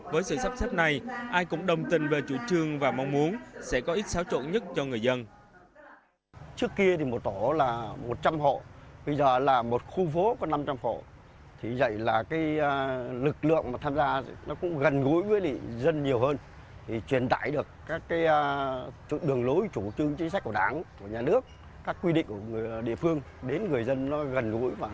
với sự sắp xếp này ai cũng đồng tình về chủ trương và mong muốn sẽ có ít xáo trộn nhất cho người dân